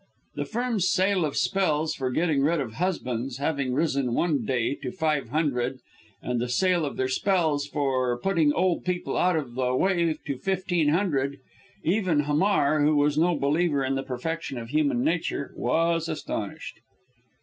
The firm's sale of spells for getting rid of husbands having risen one day to five hundred and the sale of their spells for putting old people out of the way to fifteen hundred even Hamar, who was no believer in the perfection of human nature, was astonished.